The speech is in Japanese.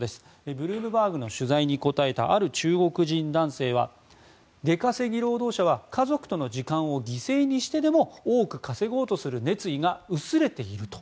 ブルームバーグの取材に答えたある中国人男性は出稼ぎ労働者は家族との時間を犠牲にしてでも多く稼ごうという熱意が薄れていると。